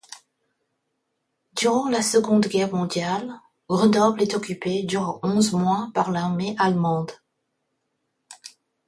Durant la Seconde Guerre mondiale, Grenoble est occupée durant onze mois par l'armée allemande.